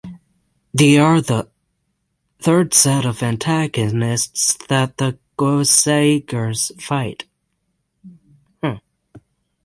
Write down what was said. The are the third set of antagonists that the Goseigers fight.